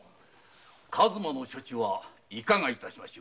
数馬の処置はいかがいたしましょう。